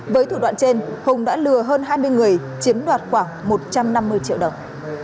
với thủ đoạn trên hùng đã lừa hơn hai mươi người chiếm đoạt khoảng một trăm năm mươi triệu đồng